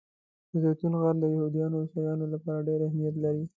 د زیتون غر د یهودانو او عیسویانو لپاره ډېر اهمیت لري.